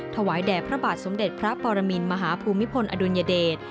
ถวายแด่พระบาทสมเด็จพระปรมินมหาภูมิพลอดุลยเดช